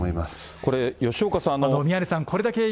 これ、吉岡さん。